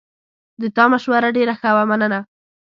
د تا مشوره ډېره ښه وه، مننه